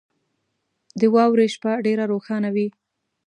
• د واورې شپه ډېره روښانه وي.